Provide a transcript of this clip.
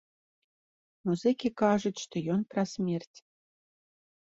Музыкі кажуць, што ён пра смерць.